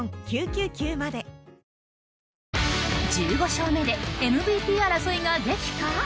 １５勝目でＭＶＰ争いが激化。